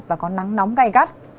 và có nắng nóng gây gắt